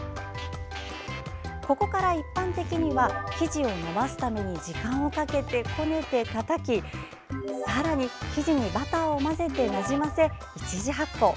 ここから一般的には生地を伸ばすために時間をかけてこねて、たたきさらに生地にバターを混ぜてなじませ、１次発酵。